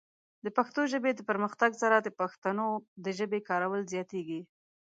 د پښتو ژبې د پرمختګ سره، د پښتنو د ژبې کارول زیاتېږي.